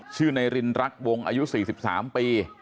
ชื่อนายรินรักวงอายุ๔๓ปี